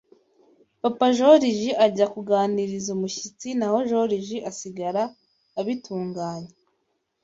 papa joriji ajya kuganiriza umushyitsi naho joriji asigara abitunganya